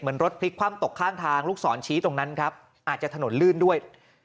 รถพลิกคว่ำตกข้างทางลูกศรชี้ตรงนั้นครับอาจจะถนนลื่นด้วย